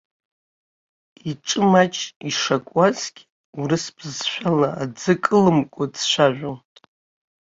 Иҿы маҷк ишакуазгьы, урыс бызшәала аӡы кылымкәо дцәажәон.